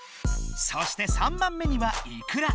そして３番目にはいくら。